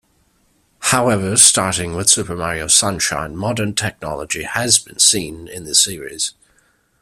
However, starting with "Super Mario Sunshine", modern technology has been seen in the series.